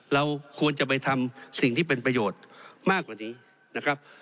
เราควรจะไปทำสิ่งที่เป็นประโยชน์มากกว่านี้นะครับ